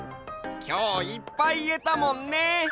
きょういっぱいいえたもんね。